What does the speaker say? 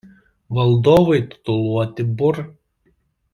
Valdovai tituluoti "bur".